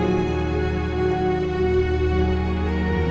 kamu mau ngerti